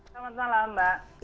selamat malam mbak